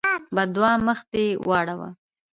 بدعا: مخ دې واوړه!